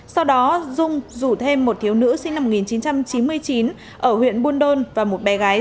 sau đó dung rủ thêm một thiếu nữ sinh năm một nghìn chín trăm chín mươi chín ở huyện buôn đôn và một bé gái